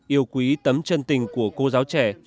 yêu quý tấm chân tình của cô giáo trẻ